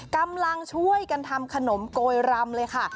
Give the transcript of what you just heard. กำลังช่วยกันทำขนมโกยรำเลยค่ะ